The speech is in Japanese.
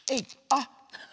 あっ。